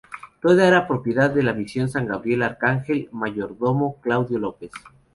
Todo era propiedad de la Misión San Gabriel Arcángel, Mayor-Domo, Claudio López.